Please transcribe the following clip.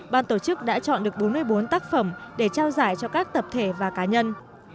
ban tổ chức đã chọn được bốn mươi bốn tác phẩm để trao giải cho các tập thể và cá nhân